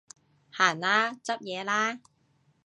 行啦，執嘢啦